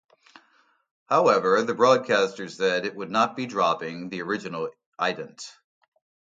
However the broadcaster said it would not be dropping the original ident.